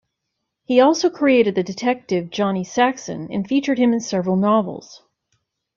He also created the detective Johnny Saxon, and featured him in several novels.